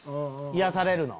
癒やされるの？